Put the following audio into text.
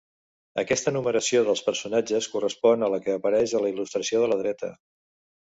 Aquesta numeració dels personatges correspon a la que apareix a la il·lustració de la dreta.